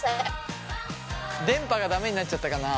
電波が駄目になっちゃったかな？